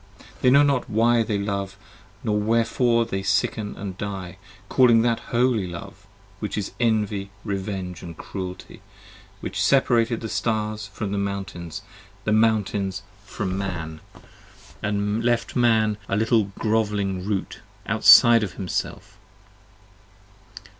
They know not why they love nor wherefore they sicken & die, 30 Calling that Holy Love, which is Envy Revenge & Cruelty, Which separated the stars from the mountains: the mountains from Man, I 7 D And left Man, a little grovelling Root, outside of Himself.